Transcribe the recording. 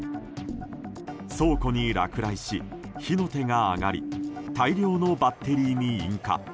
倉庫に落雷し、火の手が上がり大量のバッテリーに引火。